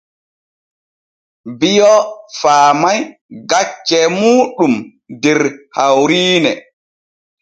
Bio faamay gaccee muuɗum der hawriine.